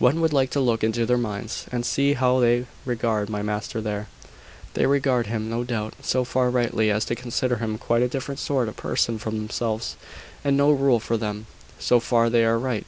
"One would like to look into their minds, and see how they regard my master there." "They regard him, no doubt, so far rightly as to consider him quite a different sort of person from themselves, and no rule for them. So far they are right.